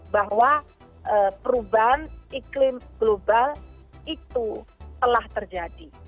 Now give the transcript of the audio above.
bahwa perubahan iklim global itu telah terjadi